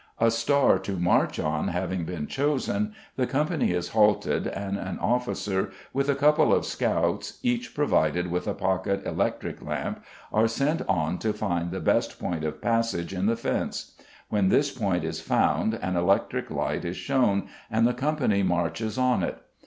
A star to march on having been chosen, the company is halted, and an officer, with a couple of scouts, each provided with a pocket electric lamp, are sent on to find the best point of passage in the fence; when this point is found an electric light is shown, and the company marches on it.